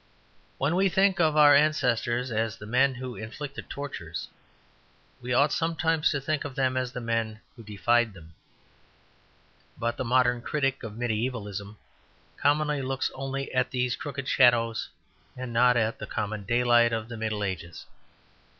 When we think of our ancestors as the men who inflicted tortures, we ought sometimes to think of them as the men who defied them. But the modern critic of mediævalism commonly looks only at these crooked shadows and not at the common daylight of the Middle Ages.